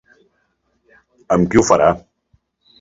Amb qui ho farà?